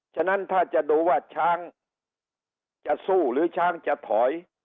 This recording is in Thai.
ฉะนั้นถ้าจะดูว่าช้างจะสู้หรือช้างจะถอย